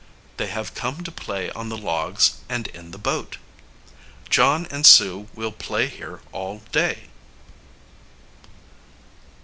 They have come to play on the logs and in the boat. John and Sue will play here all day.